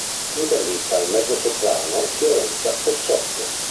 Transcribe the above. Intervista al mezzosoprano Fiorenza Cossotto